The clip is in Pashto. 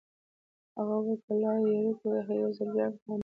هغه وویل: په لایریکو کي يې یو ځل بیا امتحانوم.